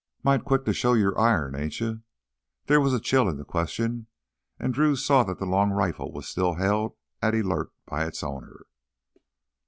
"Mite quick to show your iron, ain't you?" There was a chill in the question, and Drew saw that the long rifle was still held at alert by its owner.